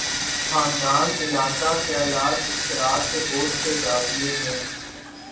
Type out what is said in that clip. خاندان، علاقہ، خیالات اشتراک کے بہت سے زاویے ہیں۔